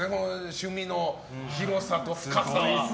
趣味の広さとか。